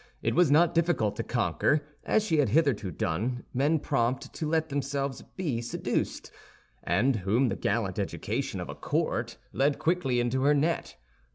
It was not difficult to conquer, as she had hitherto done, men prompt to let themselves be seduced, and whom the gallant education of a court led quickly into her net.